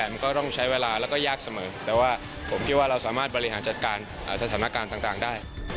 มันก็ต้องใช้เวลาแล้วก็ยากเสมอแต่ว่าผมคิดว่าเราสามารถบริหารจัดการสถานการณ์ต่างได้